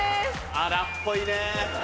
粗っぽいね。